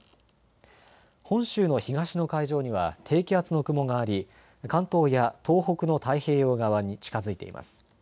本州の東の海上には低気圧の雲があり関東や東北の太平洋側に近づいています。